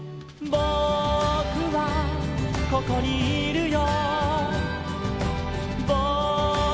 「ぼくはここにいるよ」